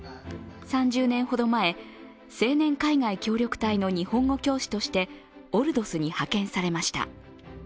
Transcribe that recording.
３０年ほど前、青年海外協力隊の日本語教師としてオルドスに派遣されました。